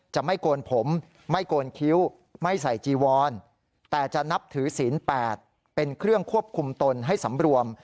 จะไม่โกนผมไม่โกนคิ้วไม่ใส่จีวอนแต่จะนับถือศีล๘เป็นเครื่องควบคุมตนให้สำรวม